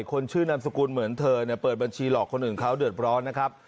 คนชื่อนามสกุลเหมือนเธอเปิดบัญชีหลอกคนอื่นเขาเดือดร้อนนะครับ